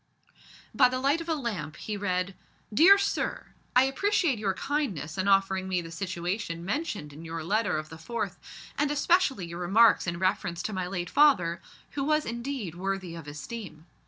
By the light of a lamp he read: "DEAR SIR, I appreciate your kindness in offering me the situation mentioned in your letter of the 4th, and especially your remarks in reference to my late father, who was indeed worthy of esteem.